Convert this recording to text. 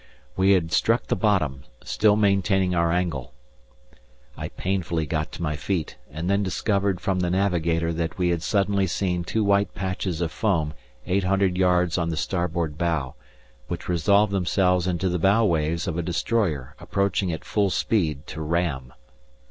We had struck the bottom, still maintaining our angle. I painfully got to my feet and then discovered from the navigator that he had suddenly seen two white patches of foam 800 yards on the starboard bow, which resolved themselves into the bow waves of a destroyer approaching at full speed to ram.